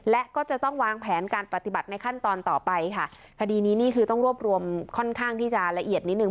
และก็จะต้องวางแผนการปฏิบัติในขั้นตอนต่อไปค่ะคดีนี้นี่คือต้องรวบรวมค่อนข้างที่จะละเอียดนิดหนึ่ง